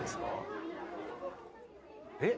えっ？